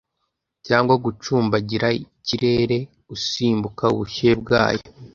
cyangwa gucumbagira ikirere usimbuka ubushyuhe bwayo